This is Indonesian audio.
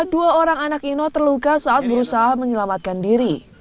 dua orang anak ino terluka saat berusaha menyelamatkan diri